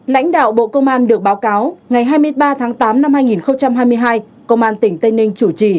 lãnh đạo bộ công an được báo cáo ngày hai mươi ba tháng tám năm hai nghìn hai mươi hai công an tỉnh tây ninh chủ trì